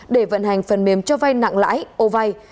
để vận hành phần mềm cho vay nặng lãi ô vay